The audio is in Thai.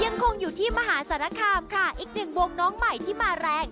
ยังคงอยู่ที่มหาสารคามค่ะอีกหนึ่งบวงน้องใหม่ที่มาแรง